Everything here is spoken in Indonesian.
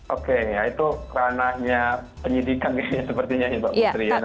oke ya itu ranahnya penyidikan ini sepertinya mbak putri ya